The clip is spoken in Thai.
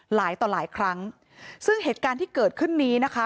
หลายต่อหลายครั้งซึ่งเหตุการณ์ที่เกิดขึ้นนี้นะคะ